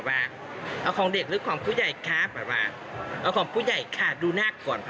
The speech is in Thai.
๘๕บาทเอาของเด็กหรือของผู้ใหญ่ค่ะเอาของผู้ใหญ่ค่ะดูหน้าก่อน